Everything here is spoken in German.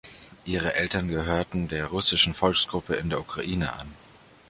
Ihre Eltern gehörten der russischen Volksgruppe in der Ukraine an.